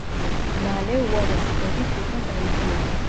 მალე უარესი ბედი თვითონ გაიზიარა.